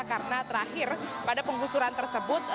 karena terakhir pada penggusuran tersebut